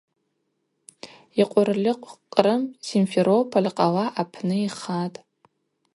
Йкъвырльыкъв Кърым, Симферополь къала апны йхатӏ.